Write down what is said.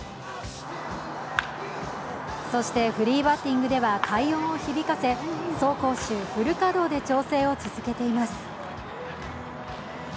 そして、フリーバッティングでは快音を響かせ走・攻・守フル稼働で調整を続けています。